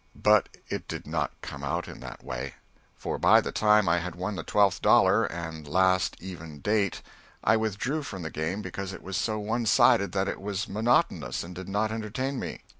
But it did not come out in that way; for by the time I had won the twelfth dollar and last even date, I withdrew from the game because it was so one sided that it was monotonous, and did not entertain me.